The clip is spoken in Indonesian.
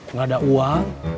nggak ada uang